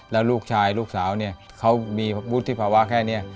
แล้วลูกชายลูกสาวเนี่ยเขามีวุฒิภาวะแค่นี้